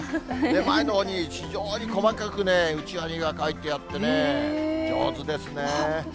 前のほうに非常に細かくね、うちわに絵が描いてあってね、上手ですね。